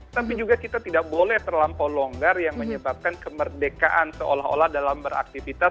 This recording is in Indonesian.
tapi juga kita tidak boleh terlampau longgar yang menyebabkan kemerdekaan seolah olah dalam beraktivitas